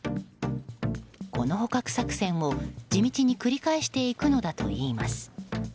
この捕獲作戦を、地道に繰り返していくのだといいます。